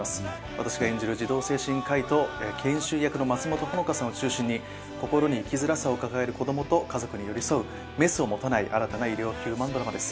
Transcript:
私が演じる児童精神科医と研修医役の松本穂香さんを中心に心に生きづらさを抱える子どもと家族に寄り添うメスを持たない新たな医療ヒューマンドラマです。